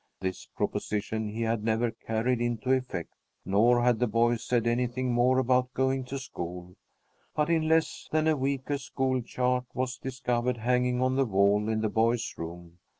This proposition he had never carried into effect, nor had the boys said anything more about going to school. But in less than a week a school chart was discovered hanging on the wall in the boys' room.